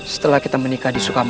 setelah kita menikah di sukabumi